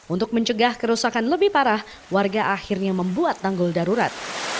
untuk mencegah kerusakan lebih parah warga akhirnya membuat tanggul darurat